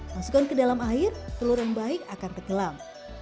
masukkan ke dalam air telur yang baik akan tenggelam